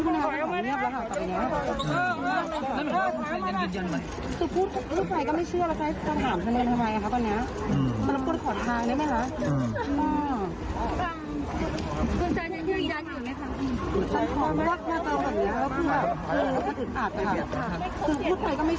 แล้วก็ฝ่าวงล้อมของสื่อมณชนเนี่ยเข้าไป